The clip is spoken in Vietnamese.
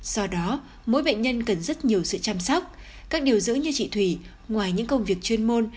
do đó mỗi bệnh nhân cần rất nhiều sự chăm sóc các điều dưỡng như chị thủy ngoài những công việc chuyên môn